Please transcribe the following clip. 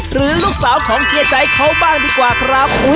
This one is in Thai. หรือลูกสาวของเฮียใจเขาบ้างดีกว่าครับ